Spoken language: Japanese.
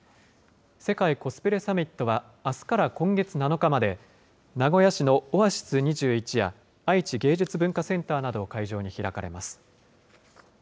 世界コスプレサミットは、あすから今月７日まで、名古屋市のオアシス２１や愛知芸術文化センターなどを会場に開かれます。